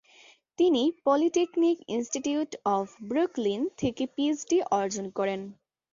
তিনি polytechnic institute of Brooklyn থেকে PhD degree অর্জন করেন।